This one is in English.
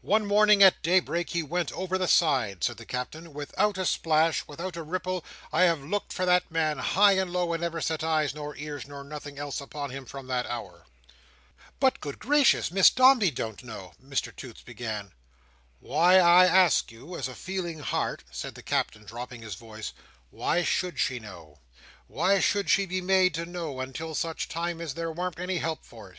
One morning at daybreak, he went over the side," said the Captain, "without a splash, without a ripple I have looked for that man high and low, and never set eyes, nor ears, nor nothing else, upon him from that hour." "But, good Gracious, Miss Dombey don't know—" Mr Toots began. "Why, I ask you, as a feeling heart," said the Captain, dropping his voice, "why should she know? why should she be made to know, until such time as there wam't any help for it?